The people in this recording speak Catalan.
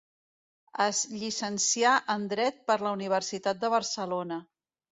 Es llicencià en Dret per la Universitat de Barcelona.